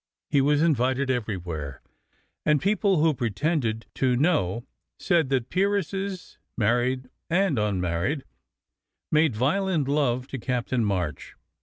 He was invited every where, and people who pretended to know said that peer esses, married and unmarried, made violent love to Captain March.